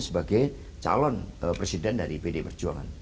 sebagai calon presiden dari pdi perjuangan